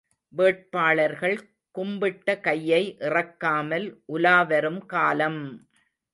வேட்பாளர்கள் கும்பிட்ட கையை இறக்காமல் உலாவரும் காலம்!